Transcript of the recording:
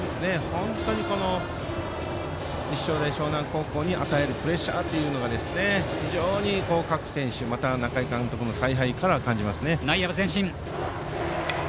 本当に立正大淞南高校に与えるプレッシャーというのが非常に各選手また中井監督の采配から感じます。